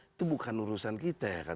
itu bukan urusan kita ya kan